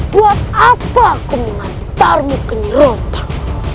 buat apa aku mengantarmu ke nirombang